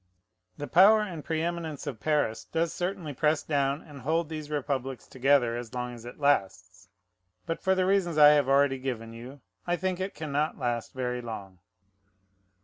The power and preëminence of Paris does certainly press down and hold these republics together as long as it lasts: but, for the reasons I have already given you, I think it can not last very long.